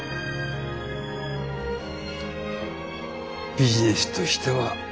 ビジネスとしては甘いね。